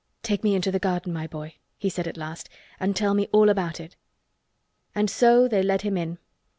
"Take me into the garden, my boy," he said at last. "And tell me all about it." And so they led him in.